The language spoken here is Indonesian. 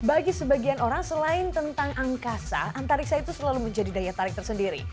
bagi sebagian orang selain tentang angkasa antariksa itu selalu menjadi daya tarik tersendiri